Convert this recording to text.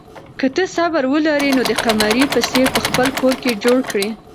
که ته صبر ولرې نو د قمرۍ په څېر به خپل کور جوړ کړې.